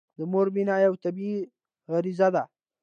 د مور مینه یوه طبیعي غريزه ده.